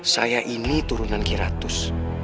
saya ini turunan kiratus